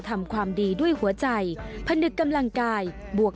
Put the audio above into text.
สวัสดีครับ